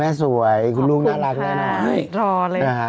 ไม่สวยคุณลูกน่ารักเลยนะ